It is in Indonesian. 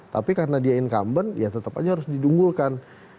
tapi karena dia incumbent ya tetap aja harus didunggulkan